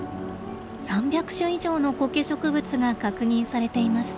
３００種以上のコケ植物が確認されています。